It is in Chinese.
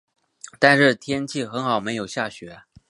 但是天气很好没有下雪